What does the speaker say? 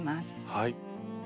はい。